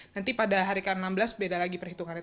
nanti pada hari ke enam belas beda lagi perhitungannya